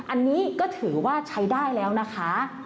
อันนี้ก็ถือว่าใช้ได้แล้วนะคะ